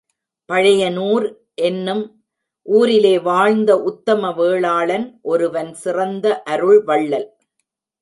பழையனூர் என்னும் ஊரிலே வாழ்ந்த உத்தம வேளாளன் ஒருவன் சிறந்த அருள்வள்ளல்.